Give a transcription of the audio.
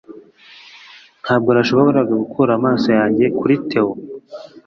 Ntabwo nashoboraga gukura amaso yanjye kuri Theo